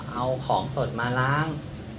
เอาของสดมาล้าง